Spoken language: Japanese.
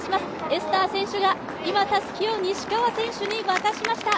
エスター選手が今、西川選手に渡しました。